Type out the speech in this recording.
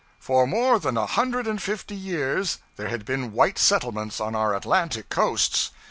For more than a hundred and fifty years there had been white settlements on our Atlantic coasts.